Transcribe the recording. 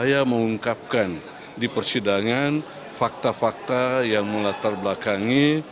saya mengungkapkan di persidangan fakta fakta yang melatar belakangi